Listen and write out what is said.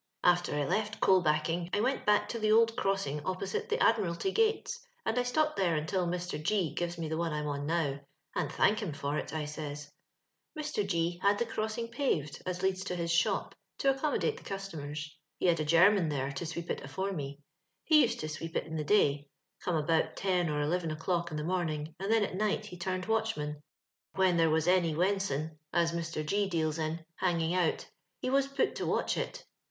" After I left coal backing, I went back to the old crossing opposite tlie Adniralty gales, and I stopped there until Mr. G give me the one I'm on now, and thank liim for it, I says. Mr. G had tlie crossing paved, as leads to Ills shop, to accommodate the cus tomers, lie had a Germ.in there to sweep it afore me. He used to sweep in the day — come about ten or eleven o'clock in the morn ing, and then at night he turned watchman ; for when there was any wenson, as Mr. G deals in, hanging out, he was put to watch it.